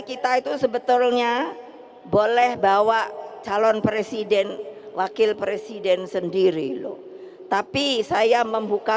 kita itu sebetulnya boleh bawa calon presiden wakil presiden sendiri loh tapi saya membuka